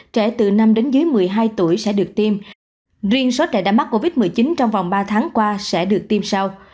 trẻ từ năm đến dưới một mươi hai tuổi sẽ được tiêm riêng số trẻ đã mắc covid một mươi chín trong vòng ba tháng qua sẽ được tiêm sau